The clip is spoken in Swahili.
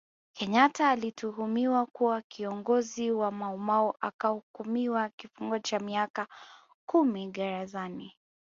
Kenyatta alituhumiwa kuwa kiongozi wa maumau akahukumiwa kifungo cha miaka kumi gerezani